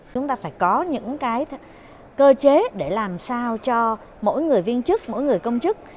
chúng ta phải có những cái cơ chế để làm sao cho mỗi người viên chức mỗi người công chức